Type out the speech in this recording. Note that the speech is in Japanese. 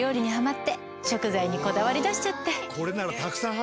これならたくさん入るな。